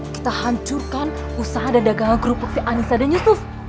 kita hancurkan usaha dan dagangan kerupuknya anissa dan yusuf